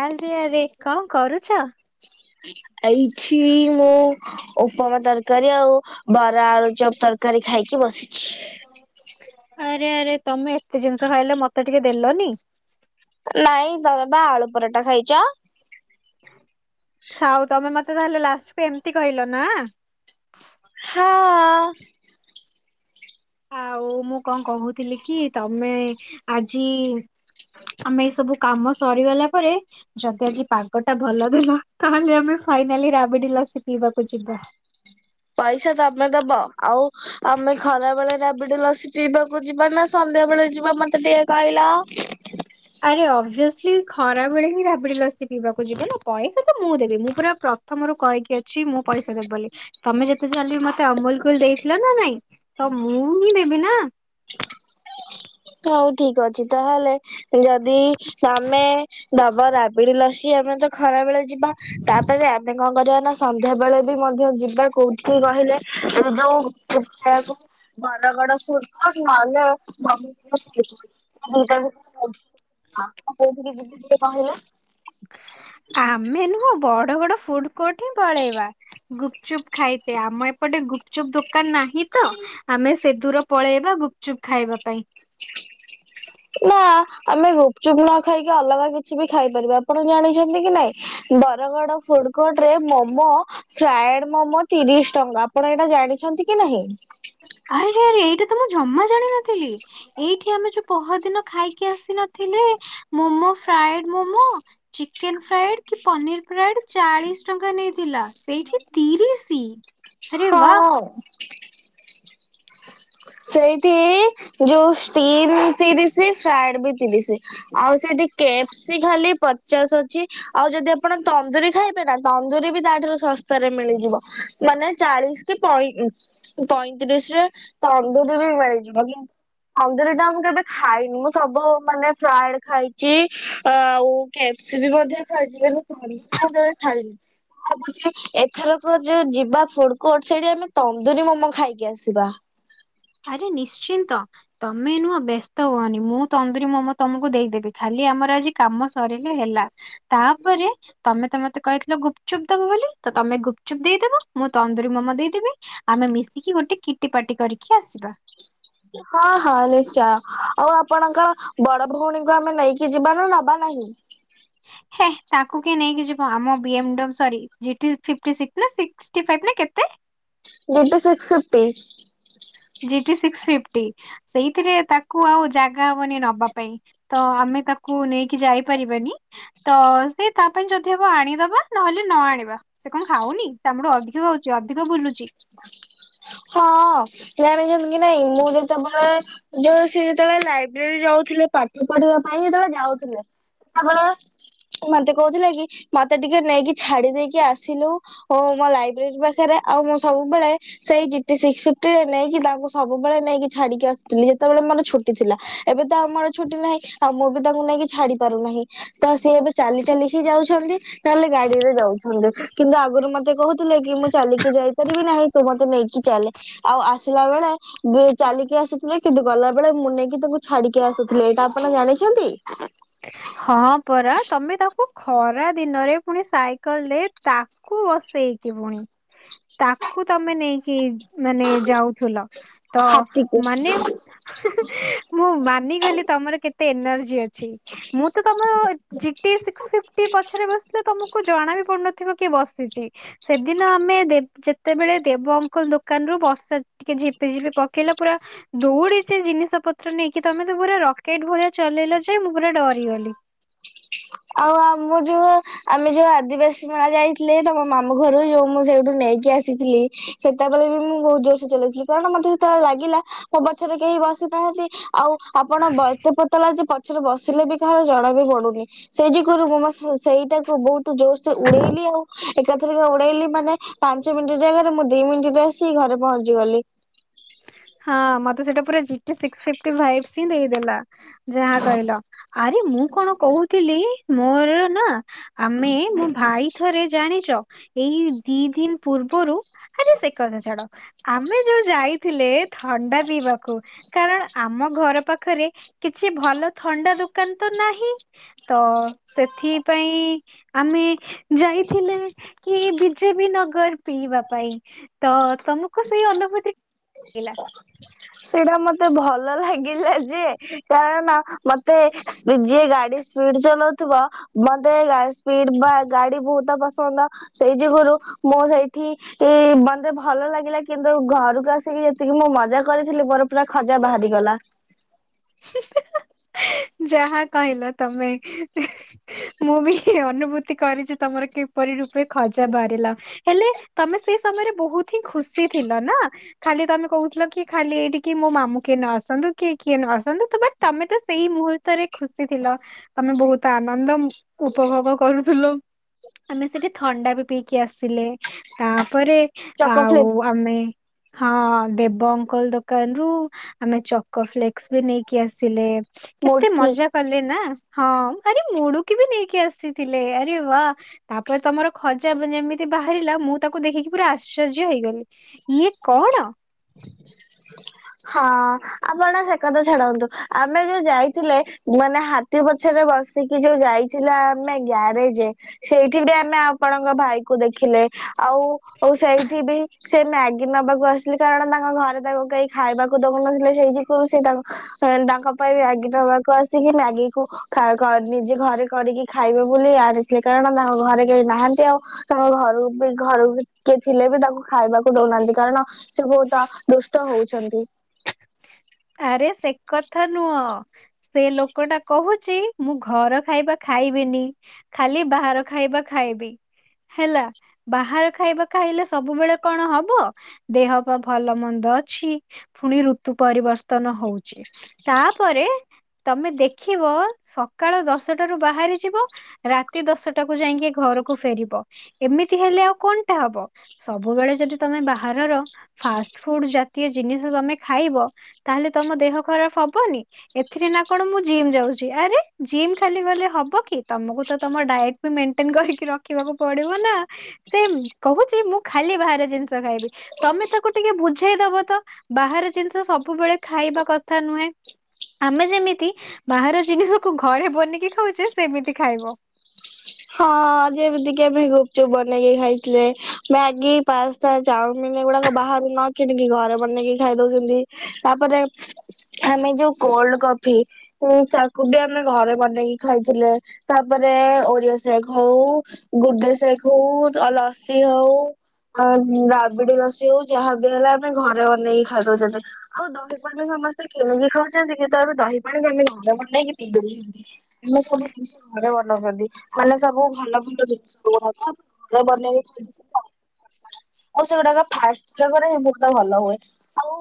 ଆଜି ଆରେ କଣ କରୁଛ? ଏଇଠି ମୁଁ ଉପମା ତରକାରୀ ଆଉ ବରା ଆଳୁ ଚପ ତରକାରୀ ଖାଇକି ବସିଛି। ଆରେ ଆରେ ତମେ ଏତେ ଜିନିଷ ଖାଇଲ ମତେ ଟିକେ ଦେଲନି। ନାଇଁ ତମେ ବା ଆଳୁ ପରଟା ଖାଇଛ। ଆଛା ଆଉ ତମେ ମତେ ତାହେଲେ ଲାଷ୍ଟ କୁ ଏମିତି କହିଲ ନା। ହଁ। ଆଉ ମୁଁ କଣ କହୁଥିଲି କି ତମେ ଆଜି ଆମେ ଏଇ ସବୁ କାମ ସରିଗଲା ପରେ ଯଦି ଆଜି ପାଗ ଟା ଭଲ ଦେଲା ତାହେଲେ ଆମେ ଫାଇନାଲି ରାବିଡି ଲସି ପିଇବାକୁ ଯିବା। ପଇସା ଦ ତୁମେ ଦବ ଆଉ ଆମେ ଖରା ବେଳେ ରାବିଡ ଲସି ପିଇବାକୁ ଯିବା ନା ସନ୍ଧ୍ୟା ବେଳେ ଯିବା ମତେ ଟିକେ କହିଲ। ଆରେ ଓଭିଓସ୍ଲି ଖରା ବେଳେ ହିଁ ରାବିଡି ଲସି ପିଇବାକୁ ଯିବା ନା ପଇସା ତ ମୁଁ ଦେବି ମୁଁ ପୁରା ପ୍ରଥମରୁ କହିକି ଅଛି ମୁଁ ପଇସା ଦେବି ବୋଲି ତମେ ଯେତେ ଚାଲି ମତେ ଅମୁଲ କୁଲ ଦେଇଥିଲ ନା ନାଇଁ। ତ ମୁଁ ହିଁ ଦେବି ନା। ହଉ ଠିକ ଅଛି ତାହେଲେ। ଯଦି ତମେ ଦବ ରାବିଡି ଲସି ଆମେ ତ ଖରା ବେଳେ ଯିବା। ତାପରେ ଆମେ କଣ କରିବା ନା ସନ୍ଧ୍ୟା ବେଳେ ବି ମଧ୍ୟ ଯିବା କୋଉଠିକି କହିଲେ ଏ ଯୋଉ [unintelligible] ବର ଗଡ ସ୍ରୁ ତ ନହେଲେ ମ [unintelligible] [unintelligible] କୋଉଠିକି ଯିବି ଟିକେ କହିଲ? ଆମେ ନୁହଁ ବଡ ଗଡ ଫୁଡ କୋର୍ଟ ହିଁ ପଳେଇବା ଗୁପ୍ ଚୁପ୍ ଖାଇତେ ଆମ ଏପଟେ ଗୁପଚୁପ୍ ଦୋକାନ ନାହିଁ ତ ଆମେ ସେଦୂର ପଳେଇବା ଗୁପଚୁପ୍ ଖାଇବା ପାଇଁ। ନା ଆମେ ଗୁପଚୁପ ନ ଖାଇକି ଅଲଗା କିଛି ବି ଖାଇପାରିବା ଆପଣ ଜାଣିଛନ୍ତି କି ନାଇଁ। ବରଗଡ ଫୁଡ କୋର୍ଟ ରେ ମୋମ ଫ୍ରାଏଡ ମମୋ ତିରିଶ ଟଙ୍କା ଆପଣ ଏଇଟା ଜାଣିଛନ୍ତି କି ନାହିଁ। ଆରେ ଆରେ ଏଇଟା ତ ମୁଁ ଜମା ଜାଣିିନଥିଲି। ଏଇଠି ଆମେ ଯୋଉ ପହରଦିନ ଖାଇକି ଆସି ନଥିଲେ momo fried momo. Chicken fried କି ପନିର ଫ୍ରାଏଡ ଚାଳିଶ ଟଙ୍କା ନେଇଥିଲା ସେଇଠି ତିରିଶି। ଆରେ ବା ହଁ। ସେଇଠି ଯୋଉ ଷ୍ଟିମ୍ ତିରିସି ଫ୍ରାଏଡ ବି ତିରିସି। ଆଉ ସେଠି କେପ୍ସି ଖାଲି ପଚାଶ ଅଛି। ଆଉ ଯଦି ଆପଣ ତନ୍ଦୁରୀ ଖାଇବେ ନା ତନ୍ଦୁରୀ ବି ତାଠାରୁ ଶସ୍ତାରେ ମିଳିଯିବ। ମାନେ ଚାଳିଶ କି ପଇ ପଇଁତିରିଶରେ ତନ୍ଦୁରି ବି ମିଳିଯିବ। କନ୍ଦୁରୀ ଟା ମୁଁ କେବେ ଖାଇନି ମୁଁ ସବୁ ମାନେ ଫ୍ରାଏଡ ଖାଇଛି ଆଉ କେପ୍ ସି ବି ମଧ୍ୟ ଖାଇଥିଲେ [unintelligible] ଖାଇନି। ଭାବୁଛି ଏଥରକ ଯୋଉ ଯିବା ଫୁଡକୋଟ ସେଠି ଆମେ ତନ୍ଦୁରୀ ମୋମୋ ଖାଇକି ଆସିବା। ଆରେ ନିଶ୍ଚିନ୍ତ। ତମେ ନୁହ ବ୍ୟସ୍ତ ହୁଅନି ମୁଁ ତନ୍ଦୁରୀ ମମ ତମକୁ ଦେଇଦେବି ଖାଲି ଆମର ଆଜି କାମ ସରିଲେ ହେଲା। ତାପରେ। ତମେ ତ ମତେ କହିଥିଲ ଗୁପଚୁପ୍ ଦବ ବୋଲି ତ ତମେ ଗୁପଚୁପ୍ ଦେଇଦବ ମୁଁ ତନ୍ଦୁରୀ ମୋମୋ ଦେଇଦେବି। ଆମେ ମିଶିକି ଗୋଟେ କିଟୀ ପାଟି କରିକି ଆସିବା। [inaudible] ହଁ ହଁ ନିଶ୍ଚୟ ଆଉ ଆପଣଙ୍କ ବଡ ଭଉଣୀଙ୍କୁ ଆମେ ନେଇକି ଯିବାନା ନବା ନାହିଁ? ହେ ତାକୁ କିଏ ନେଇକି ଯିବ ଆମ ବିଏମ୍ ଡ ସରି ଜିଟି ଫିଫ୍ଟୀ ସି ନା ସି ଷ୍ଟି ଫାଇବି ନା କେତେ? GT six fifty. GT six fifty ସେଇଥିରେ ତାକୁ ଆଉ ଜାଗା ହବନି ନବା ପାଇଁ। ତ ଆମେ ତାକୁ ନେଇକି ଯାଇପାରିବାନି। ତ ସେ ତା ପାଇଁ ଯଦି ହବ ଆଣିଦବା ନହେଲେ ନ ଆଣିବା। ସେ କଣ ଖାଉନି? ସେ ଆମଠୁ ଅଧିକ ଖାଉଛି ଅଧିକ ବୁଲୁଚି। ହଁ ଜାଣିଛନ୍ତି କି ନାଇଁ ମୁଁ ଯେତେବେଳେ। ଯଉ ସିଏ ଯେତେବେଳେ ଲାଇବ୍ରେରୀ ଯାଉଥିଲେ ପାଠ ପଢିବା ପାଇଁ ଯେତେବେଳେ ଯାଉଥିଲେ। ଆପଣ ମତେ କହୁଥିଲେ କି। ମତେ ଟିକେ ନେଇକି ଛାଡି ଦେଇକି ଆସିଲୁ ଓ ମୋ ଲାଇବ୍ରେରୀ ପାଖରେ ଆଉ ମୋ ସବୁବେଳେ। ସେଇ ଜି ଟି ସିକସ ଫିଟିରେ ନେଇକି ତାଙ୍କୁ ସବୁବେଳେ ନେଇକି ଛାଡିକି ଆସୁଥିଲି ଯେତେବେଳେ ମୋର ଛୁ ଛୁଟି ଥିଲା ଏବେ ତ ଆଉ ମୋର ଛୁଟି ନାହିଁ ଆଉ ବି ତାଙ୍କୁ ନେଇକି ଛାଡି ପାରୁନାହିଁ। ତ ସିଏ ଏବେ ଚାଲି ଚାଲି ହି ଯାଉଛନ୍ତି। ତାହେଲେ ଗାଡିରେ ଯାଉଛନ୍ତି କିନ୍ତୁ ଆଗରୁ ମତେ କହୁଥିଲେ କି ମୁଁ ଚାଲିକି ଯାଇ ପାରିବି ନାହିଁ ତୁ ମତେ ନେଇକି ଚାଲେ ଆଉ ଆସିଲା ବେଳେ। ଯଉ ଚାଲିକି ଆସୁଥିଲେ କିନ୍ତୁ ଗଲା ବେଳେ ମୁଁ ନେଇକି ତାଙ୍କୁ ଛାଡିକି ଆସୁଥିଲେ। ଏଇଟା ଆପଣ ଜାଣିଛନ୍ତି? ହଁ ପରା ତମେ ତାକୁ ଖରା ଦିନରେ ପୁଣି ସାଇକେଲ ରେ ତା କୁ ବସେଇକି ପୁଣି ତାକୁ ତମେ ନେଇକି। ମାନେ ଯାଉଥିଲ ତ ହାତୀକୁ। ମାନେ। ହୁଁ ହୁଁ ମୁଁ ମାନିଗଲି ତମର କେତେ ଏନର୍ଜି ଅଛି। ମୁଁ ତ ତମ ଜି ଟି ସିକ୍ସ ଫିଫ୍ଟି ପଛରେ ବସିଲେ ତମକୁ ଜଣା ବି ପଡୁନଥିବ କି ବସିଛି। ସେଦିନ ଆମେ ଦେ ଯେତେବେଳେ ଦେବ ଅଙ୍କଲ ଦୋ କାନରୁ ବର୍ଷା ଟିକେ ଝିପି ଝିପି ପକେଇଲା ପୁରା। ଦୌଡି ସେ ଜିନିଷ ପତ୍ର ନେଇକି ତମେ ତ ପୁରା ରକେଟ ଭଳିଆ ଚଲେଇଲ ଯେ ମୁଁ ପୁରା ଡରିଗଲି। ଆଉ ଆମ ଯୋଉ ଆମେ ଯୋଉ ଆଦିବାସୀ ମେଳା ଯାଇଥିଲେ ତମ ମାମୁ ଘରୁ ଯୋଉ ମୁଁ ସେଇଠୁ ନେଇକି ଆସିଥିଲି। ସେତେବେଳେ ବି ମୁଁ ବହୁତ ଜୋର ସେ ଚଲେଇଥିଲି କାରଣ ମତେ ସେତେବେଳେ ଲାଗିଲା। ମୋ ପଛରେ କେହି ବସିନାହାନ୍ତି ଆଉ। ଆପଣ ବ ଏତେ ପତଳା ଯେଜି ପଛରେ ବସିଲେ ବି କାହାର ଜଣା ବି ପଡୁନି। ସେଇ ଯୁଗୁରୁ ମୁଁ ମୋ ସ ସେଇଟାକୁ ବହୁତ ଜୋର ସେ ଉଡେଇଲି ଆଉ ଏକାଥେରକେ ଉଡେଇଲି ମାନେ ପାଞ୍ଚ ମିନିଟ୍ ଜାଗାରେ ମୁଁ ଦି ମିନିଟରେ ଆସିକି ଘରେ ପହଞ୍ଚି ଗଲି। ହଁ ମତେ ସେଇଟା ପୁରା G T six fifty vibes ହିଁ ଦେଇଦେଲା। ଯାହା କହିଲ ଆରେ ମୁଁ କଣ କହୁଥିଲି ମୋର ନା। ଆମେ ମୋ ଭାଇ ଥରେ ଜାଣିଛ ଏଇ ଦି ଦିନ ପୂର୍ବରୁ। ଆରେ ସେ କଥା ଛାଡ। ଆମେ ଯୋଉ ଯାଇଥିଲେ ଥଣ୍ଡା ପିଇବାକୁ। କାରଣ ଆମ ଘର ପାଖରେ କିଛି ଭଲ ଥଣ୍ଡା ଦୋକାନ ତ ନାହିଁ। ତ ସେଥିପାଇଁ ଆମେ। ଯାଇଥିଲେ କି ବି ଜେ ବିି ନଗର ପିଇବା ପାଇଁ ତ। ତମକୁ ସେଇ ଅନୁଭୂତି ଲାଗିଲା। ସେଇଟା ମତେ ଭଲ ଲାଗିଲା ଯେ। କାରଣ ମତେ ଯିଏ ଗାଡି ସ୍ପିଡ ଚଲଉଥିବ। ମତେ ଗା ସ୍ପିଡ ବା ଗାଡି ବହୁତ ପସନ୍ଦ ସେଇ ଯୁଗୁରୁ ମୁଁ ସେଇଠି। ଇ ମତେ ଭଲ ଲାଗିଲା କିନ୍ତୁ ଘରକୁ ଆସିକି ଯେତିକି ମୁଁ ମଜା। କରିଥିଲି ମୋର ପୁରା ଖଜା ବାହାରିଗଲା। ହୁଁ ହୁଁ ହାଁ ଯାହା କହିଲ ତମେ। ମୁଁ ବି ଅନୁଭୂତି କରିଛି ତମର କିପରି ରୂପେ ଖଜା ବାହାରିଲା। ହେଲେ ତମେ ସେଇ ସମୟରେ ବହୁତ ହିଁ ଖୁସି ଥିଲ ନା। ଖାଲି ତମେ କହୁଥିଲ କି ଖାଲି ଏଇଠି କି ମୋ ମାମୁଁ କିଏ ନ ଆସନ୍ତୁ କିଏ କିଏ ନ ଆ ସନ୍ତୁ ତ ବଟ ତମେ ତ ସେଇ ମୁହୂର୍ତ୍ତରେ ଖୁସି ଥିଲ। ତମେ ବହୁତ ଆନନ୍ଦ ଉଁ ଉପଭୋଗ କରୁଥୁଲ। ଆମେ ସେଠି ଥଣ୍ଡା ବି ପିଇକି ଆସିଲେ ତାପରେ ଆଉ ଚକୋଫ୍ଲିପ ଆମେ ହଁ ଦେବ ଅଙ୍କଲ ଦୋକାନରୁୁ ଆମେ ଚକ ଫ୍ଲେକ୍ସ। ବି ନେଇକି ଆସିଲେ କେତେ ମୁଡକି ମଜା କଲେ ନା ହଁ ଆରେ ମୁଡୁକିି ବି ନେଇକି ଆସିଥିଲେ ଆରେ ବା ତାପରେ ତମର ଖଜା ବ ଯେମିତି ବାହାରିଲା ମୁଁ ତାକୁ ଦେଖିକି ପୁରା ଆଶ୍ଚର୍ଯ୍ୟ ହେଇଗଲି। ଇଏ କଣ। ହଁ ଆପଣ ସେ କଥା ଚ୍ଛାଡନ୍ତୁ ଆମେ ଯୋଉ ଯାଇଥିଲେ ମାନେ ହା ତିି ପଛରେ ବସିକି ଯୋଉ ଯାଇଥିଲା ଆମେ ଗ୍ୟାରେଜ। ସେଇଠି ବି ଆମେ ଆପଣଙ୍କ ଭାଇ ଙ୍କୁ ଦେଖିଲେ ଆଉ ଉ ସେଇଠି ବି ସେ ମ୍ୟାଗି ନବାକୁ ଆସିଲେ କାରଣ ତାଙ୍କ ଘରେ ତାଙ୍କୁ କେହି ଖାଇବାକୁ ଦଉନଥିଲେ ସେଇଥି କୁ ସେ ତାଙ୍କ ହଁ ତାଙ୍କ ପାଇଁ ବି ମ୍ୟାଗି ନବାକୁ ଆସିକି ମ୍ୟାଗିକୁ ଖାଇକୁ ନିଜେ ଘରେ କରିକି ଖାଇବେ ବୋଲି ଆଣିଥିଲେ କାରଣ ତାଙ୍କ ଘରେ କେହି ନାହାନ୍ତି ଆଉ ତାଙ୍କ ଘରୁ ବି ଘରକୁ କିଏ ଥିଲେ ବି ତାଙ୍କୁ ଖାଇବାକୁ ଦଉନାହାନ୍ତି କାରଣ ସେ ବହୁତ ଦୁଷ୍ଟ ହଉଚନ୍ତି। ଆରେ ସେ କଥା ନୁହ ସେ ଲୋକ ଟା କହୁଛି ମୁଁ ଘର ଖାଇବା ଖାଇବିନି। ଖାଲି ବାହାର ଖାଇବା ଖାଇବି ହେଲା। ବାହାର ଖାଇବା ଖାଇଲେ ସବୁବେଳେ କଣ ହବ ଦେହ ପା ଭଲ ମନ୍ଦ ଅଛି। ପୁଣି ଋତୁ ପରିବର୍ତ୍ତନ ହଉଚି ତାପରେ ତମେ ଦେଖିବ ସକାଳ ଦଶଟାରୁୁ ବାହାରି ଯିବ ରାତି ଦଶଟାକୁୁ ଯାଇକି ଘରକୁ ଫେରିବ ଏମିତି ହେଲେ ଆଉ କଣଟା ହବ। ସବୁବେଳେ ଯଦି ତମେ ବାହାରର ଫାଷ୍ଟ ଫୁଡ ଜାତୀୟ ଜିନିଷ ତମେ ଖାଇବ। ତାହେଲେ ତମ ଦେହ ଖରାପ ହବନି। ଏଥିରେ ନା କଣ ମୁଁ ଜିମ୍ ଯାଉଚି ଆରେ ଜିମ୍ ଖାଲି ଗଲେ ହବ କି ତମକୁ ତମ ଡାଏଟ ମେଣ୍ଟେନ କରିକି ରଖିବାକୁ ପଡିବ ନା। ସେ କହୁଚି ମୁଁ ଖାଲି ବାହାରେ ଜିନିଷ ଖାଇବି। ତମେ ତାକୁ ଟିକେ ବୁଝେଇ ଦବ ତ ବାହାର ଜିନିଷ ସବୁବେଳେ ଖାଇବା କଥା ନୁହେଁ। ଆମେ ଯେମିତି ବାହାର ଜିନିଷକୁୁ ଘରେ ବନିକି ଖାଉଚେ ସେମିତି ଖାଇବ। ହଁ ଯେ ଏମିତି କେବେ ଗୁପଚୁପ୍ ବନେଇକି ଖାଇଥିଲେ ମ୍ୟାଗି ପାସ ତ ଚାଉମିନ ଗୁଡାକ ବାହାରୁ ନ କିଣିକି ଘରେ ବନେଇକି ଖାଇ ଦଉଛନ୍ତି ତାପରେ ଆମେ ଯୋଉ କୋଲଡ କଫି ଉ ତାକୁ ବି ଆମେ ଘରେ ବନେଇକି ଖାଉଥିଲେ। ତାପରେ ଓରିଓ ଶେକ୍ ହଉ ଗୁଡଡେ ଶେକ୍ ହଉ ଲସି ହଉ। ଆ ରାବିଡି ଲସି ହଉ ଯାହା ବି ହେଲେ ଆମେ ଘରେ ବନେଇକି ଖାଇଦଉଛନ୍ତି। ଆଉ ଦହି ପାଣି ବି ସମସ୍ତେ କେମିିକି ଖଆ ଯେମିତି କି ତାପରେ ଦହି ପାଣି କି ଆମେ ଘରେ ବନେଇକି ପିଇଦଉଛନ୍ତି ଆମେ କଣ ଜିନିଷ ଘରେ ବନାଉଛନ୍ତି। ମାନେ ସବୁ ଭଲ ଭଲ ଜିନିଷୁ ଗୁଡକୁ [unintelligible] ବନେଇକି [unintelligible] ଆଉ ସେଗୁଡାକ ଫାଷ୍ଟ ଜାଗରେ ବହୁତ ଭଲ ହୁଏ ଆଉ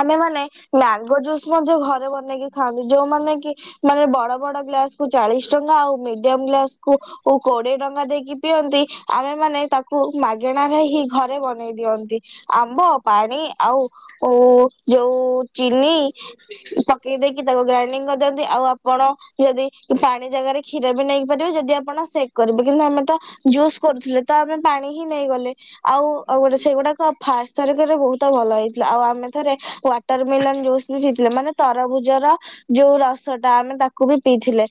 ଆମେମାନେ ମ୍ୟାଙ୍ଗୋ ଜୁସ୍ ମଧ୍ୟ ଘରେ ବନେଇକି ଖାଆନ୍ତି ଯୋଉମାନେ କି ମାନେ ବଡ ବଡ ଗ୍ଲାସକୁୁ ଚାଳିଶ ଟଙ୍କା ଆଉ ମିଡିୟମ ଗ୍ଲାସକୁୁ ଓ କୋଡ଼ିଏ ଟଙ୍ଗା ଦେଇକି ପିଅନ୍ତି ଆମେମାନେ ତାକୁ ମାଗେଣାରେ ହିଁ ଘରେ ବନେଇ ଦିଅନ୍ତି। ଆମ୍ବ ପାଣି ଆଉ ଉ ଯୋଉ ଚିନି ପକେଇ ଦେଇକି ତାକୁ ଗ୍ରାଇଣ୍ଡିଙ୍ଗ କରିଦିଅନ୍ତି ଆଉ ଆପଣ ଯଦି ପାଣି ଜାଗାରେ ଖି ର ବି ନେଇପାରିବେ ଯଦି ଆପଣ ସେକ୍ କରିବେ କିନ୍ତୁ ଆମେ ତ ଜୁସ୍ କରୁଥିଲେ ତ ଆମେ ପାଣି ହି ନେଇଗଲେ ଆଉ ଆଉ ଗୋଟେ ସେଗୁଡାକ ଫାଷ୍ଟ ଥରକ ରେ ବହୁତ ଭଲ ହେଇଥିଲା ଆଉ ଆମେ ଥରେ ୱାଟରମେଲନ ଜୁସ୍ ବି ପିଥିଲେ ମାନେ ତରଭୁଜର ଯୋଉ ରସଟା ଆମେ ତାକୁ ବି ପିଇଥିଲେ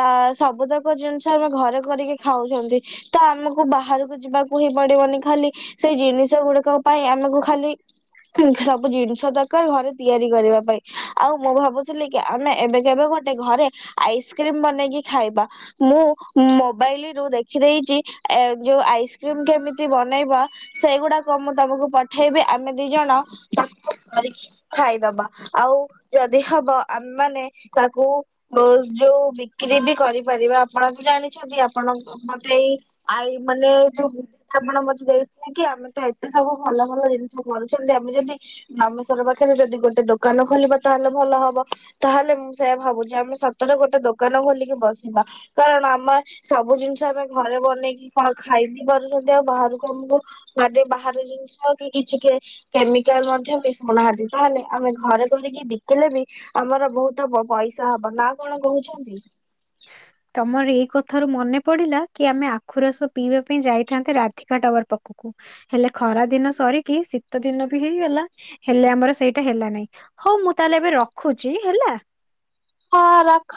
ତା ସବୁ ତକ ଜିନିଷ ଆମେ ଘରେ କରିକି ଖାଉଛନ୍ତି। ତ ଆମକୁ ବାହାରକୁ ଯିବାକୁ ହିଁ ପଡିବନି ଖାଲି ସେଇ ଜିନିଷ ଗୁଡିକ ପାଇଁ ଆମକୁ ଖାଲି ସବୁ ଜିନିଷ ଦରକାର ଘରେ ତିଆରି କରିବା ପାଇଁ ଆଉ ମୁଁ ଭାବୁଥିଲି କି ଆମେ ଏବେ କେବେ ଗୋଟେ ଘରେ ଆଇସ୍କ୍ରିମ ବନେଇକି ଖାଇବା ମୁଁ ମୋବାଇଲ ରୁ ଦେଖିଦେଇଚି। ଏ ଯୋଉ ଆଇସ୍କ୍ରିମ କେମିତି ବନେଇବା। ସେଇଗୁଡାକ ମୁଁ ତମକୁ ପଠେଇବି ଆମେ ଦି ଜଣ। ତାକୁ କରିକି ଖାଇଦବା ଆଉ ଯଦି ହବ ଆମେ ମାନ ତାକୁ। ରୋ ଯୋଉ ବିକ୍ରି ବି କରିପାରିବା ଆପଣ ବି ଜାଣିଛନ୍ତି ଆପଣ ଗୋଟିଏ। ଆଇ ମାନେ ଯୋଉ ଆପଣ ମତେ ଦେଇଥିଲେ କି ଆମେ ତ ଏତେ ସବୁ ଭଲ ଭଲ ଜିନିଷ। କରୁଛନ୍ତି ଆମେ ଯଦି ରାମେଶ୍ବର ପାଖରେ ଯଦି ଗୋଟେ ଦୋକାନ ଖୋଲିବା ତାହେଲେ ଭଲ ହବ। ତାହେଲେ ମୁଁ ସେଇୟା ଭାବୁଛି ଆମେ ସତରେ ଗୋଟେ ଦୋକାନ ଖୋଲିକି ବସିବା। କାରଣ ଆମ ସବୁ ଜିନିଷ ଆମେ ଘରେ ବନେଇକି ଖାଇ ବିି ପାରୁଛନ୍ତି ଆଉ ବାହାରକୁ ଆମକୁ। କୁଆଡେ ବାହାର ଜିନିଷ କି କିଛି କେ। କେମିକାଲ ମଧ୍ୟ ବି ମିସଉନାହାନ୍ତି ତାହେଲେ ଆମେ ଘରେ କରିକି ବିକିଲେ ବି। ଆମର ବହୁତ ପଇସା ହବ ନା କଣ କହୁଛନ୍ତି। ଆମର ଏଇ କଥ ରୁ ମନେ ପଡିଲା କି ଆମେ ଆଖୁ ରାସ ପିଇବା ପାଇଁ ଯାଇଥାନ୍ତେ ରାତି। ଟୱାର୍ ପାଖକୁ ହେଲେ ଖରା ଦିନ ସରିକି ଶୀତ ଦିନ ବି ହେଇଗଲା। ହେଲେ ଆମର ସେଇଟା ହେଲା ନାହିଁ ହଉ ମୁଁ ତାହେଲେ ଏବେ ରଖୁଛି ହେଲା। ହ ରଖ।